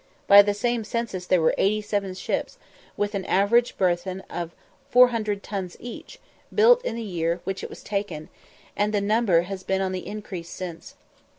By the same census there were 87 ships, with an average burthen of 400 tons each, built in the year in which it was taken, and the number has been on the increase since.